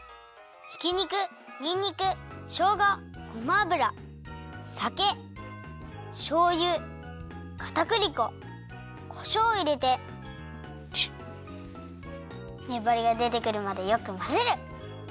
ひき肉にんにくしょうがごま油さけしょうゆかたくり粉こしょうをいれてねばりがでてくるまでよくまぜる！